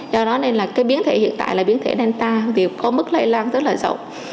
do đó nên là cái biến thể hiện tại là biến thể delta thì có mức lây lan rất là rộng